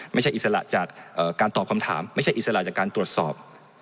อิสระจากการตอบคำถามไม่ใช่อิสระจากการตรวจสอบ